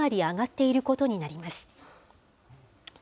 上がっていることになります。